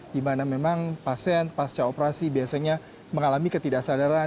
dimana memang pasien pasca operasi biasanya mengalami ketidaksadaran